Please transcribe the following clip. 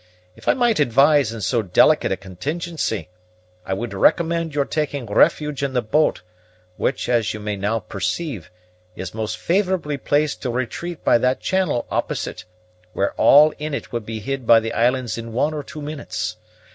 If I might advise in so delicate a contingency, I would recommend your taking refuge in the boat, which, as you may now perceive, is most favorably placed to retreat by that channel opposite, where all in it would be hid by the islands in one or two minutes.